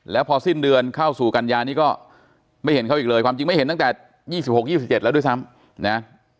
แล้วพอสิ้นเดือนเข้าสู่กัญญานี้ก็ไม่เห็นเขาอีกเลยความจริงไม่เห็นตั้งแต่๒๖๒๗แล้วด้วยซ้ำนะ